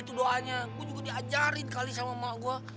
itu doanya gue juga diajarin kali sama mama gue